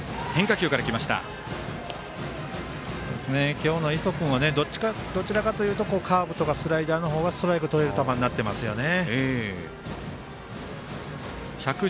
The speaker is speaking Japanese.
今日の磯君はどちらかというとカーブとかスライダーのほうがストライクとれる球になってますよね。